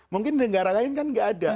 mungkin negara lain kan nggak ada